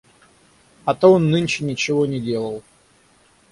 А то он нынче ничего не делал.